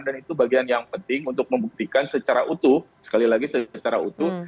itu bagian yang penting untuk membuktikan secara utuh sekali lagi secara utuh